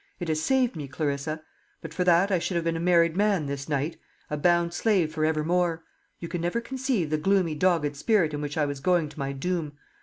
It has saved me, Clarissa. But for that I should have been a married man this night, a bound slave for evermore. You can never conceive the gloomy dogged spirit in which I was going to my doom.